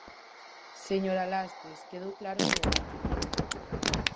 Señora Lastres, quedou claro no debate.